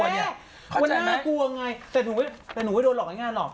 เข้าใจไหมบ๊วยว่าหน้ากลัวไงแต่หนูไม่แต่หนูไม่โดนหลอกไม่งานหรอก